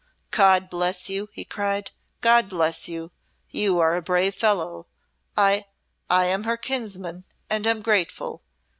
"God bless you!" he cried. "God bless you! You are a brave fellow! I I am her kinsman and am grateful.